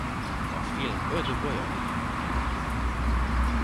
A film öt Goya-díjat nyert.